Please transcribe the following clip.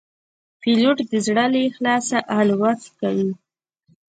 پیلوټ د زړه له اخلاصه الوت کوي.